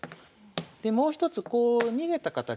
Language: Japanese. でもう一つこう逃げた形。